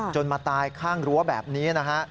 มาตายข้างรั้วแบบนี้นะฮะ